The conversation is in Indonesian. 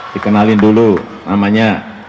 dikenalin dulu namanya